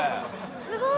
すごい！